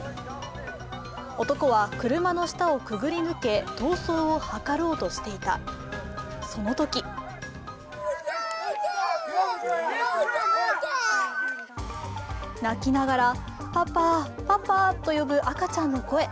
男は車の下をくぐり抜け、逃走を図ろうとしていた、その時泣きながら、パパ、パパと呼ぶ赤ちゃんの声。